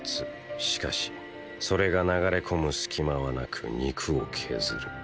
しかしそれが流れ込むスキマはなく肉を削る。